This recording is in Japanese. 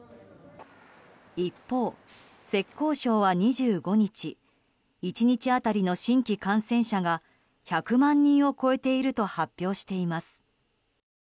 一方、浙江省は２５日１日当たりの新規感染者が１００万人を超えていると発表しています。